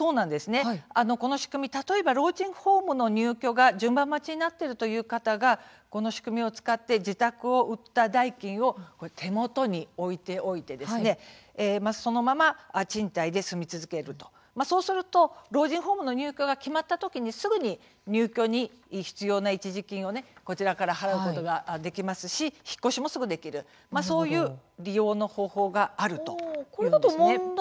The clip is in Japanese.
この仕組み、例えば老人ホームの入居が順番待ちになっているという方がこの仕組みを使って自宅を売った代金を手元に置いておいてそのまま賃貸で住み続けるそうすると老人ホームの入居が決まった時にすぐに入居に必要な一時金を払うことができますし引っ越しもすぐできるそういう利用の方法があるというんです。